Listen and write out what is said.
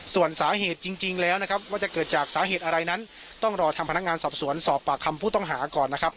ส่วนสาเหตุจริงแล้วนะครับว่าจะเกิดจากสาเหตุอะไรนั้นต้องรอทางพนักงานสอบสวนสอบปากคำผู้ต้องหาก่อนนะครับ